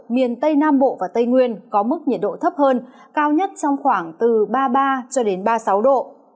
miền tây nam bộ và tây nguyên có mức nhiệt độ thấp hơn cao nhất trong khoảng từ ba mươi ba ba mươi sáu độ